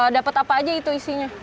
dapat apa aja itu isinya